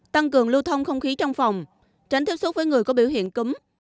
tăng cường lưu thông không khí trong phòng tránh tiếp xúc với người có biểu hiện cúm